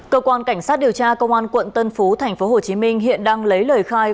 cơ quan cảnh sát điều tra công an quận tân phú tp hcm hiện đang lấy lời khai